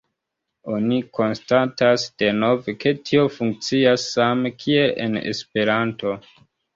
Oni konstatas denove, ke tio funkcias same kiel en Esperanto.